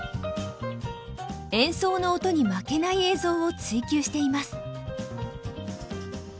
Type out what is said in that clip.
演奏の音に負けない映像を追究しています。